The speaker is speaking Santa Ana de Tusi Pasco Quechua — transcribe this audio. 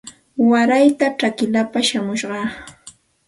Waray chakillapa shamushaq